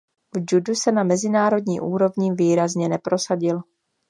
V judu se na mezinárodní úrovni výrazně neprosadil.